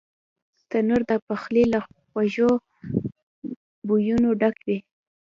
تنور د پخلي له خوږو بویونو ډک وي